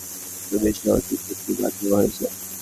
তুমিসহ তিনজনকে বাদ দেওয়া হয়েছে।